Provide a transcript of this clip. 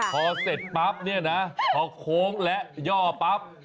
พอเสร็จปั๊บเนี่ยนะพอโค้งและย่อปั๊บ